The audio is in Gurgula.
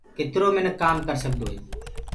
ڪِترو مِنک ڪآم ڪرسدوئي